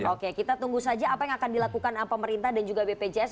oke kita tunggu saja apa yang akan dilakukan pemerintah dan juga bpjs